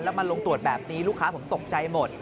แล้วมาลงตรวจแบบนี้ลูกค้าผมตกใจหมด